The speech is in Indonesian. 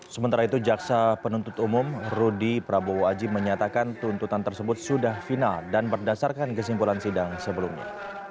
sementara itu jaksa penuntut umum rudy prabowo aji menyatakan tuntutan tersebut sudah final dan berdasarkan kesimpulan sidang sebelumnya